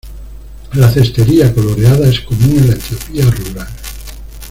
La cestería coloreada es común en la Etiopía rural.